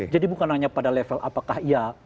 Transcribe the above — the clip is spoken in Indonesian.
jadi bukan hanya pada level apakah